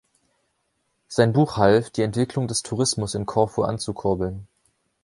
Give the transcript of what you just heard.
Sein Buch half, die Entwicklung des Tourismus in Korfu anzukurbeln.